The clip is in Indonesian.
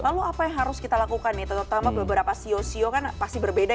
lalu apa yang harus kita lakukan nih terutama beberapa sio sio kan pasti berbeda